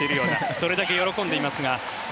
それだけ喜んでいますが。